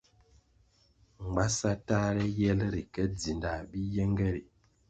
Mgbasa tahre yel ri ke dzindah bi yenge ri.